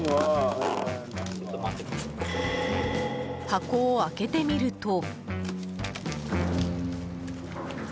箱を開けてみると。